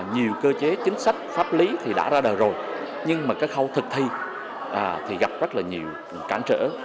nhiều cơ chế chính sách pháp lý thì đã ra đời rồi nhưng mà cái khâu thực thi thì gặp rất là nhiều cản trở